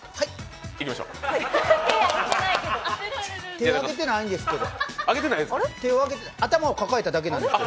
手上げてないんですけど、頭を抱えただけなんです。